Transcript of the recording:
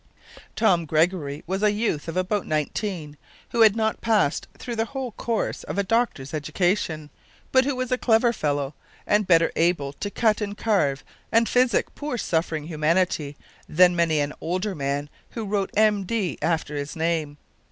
Tom Gregory was a youth of about nineteen, who had not passed through the whole course of a doctor's education, but who was a clever fellow, and better able to cut and carve and physic poor suffering humanity than many an older man who wrote M.D. after his name.